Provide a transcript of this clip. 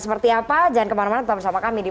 seperti apa jangan kemana mana tetap bersama kami di